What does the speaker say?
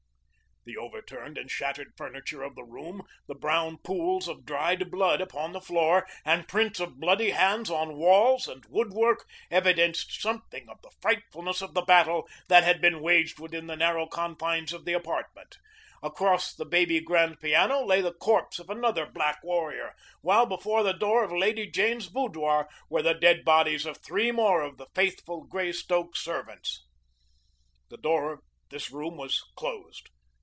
The overturned and shattered furniture of the room, the brown pools of dried blood upon the floor, and prints of bloody hands on walls and woodwork evidenced something of the frightfulness of the battle that had been waged within the narrow confines of the apartment. Across the baby grand piano lay the corpse of another black warrior, while before the door of Lady Jane's boudoir were the dead bodies of three more of the faithful Greystoke servants. The door of this room was closed.